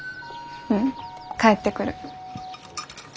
うん帰ってくる。